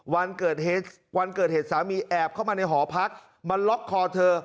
วันเกิดเหตุสามีแอบเข้ามาในหอพักมาล็อกคอเธอ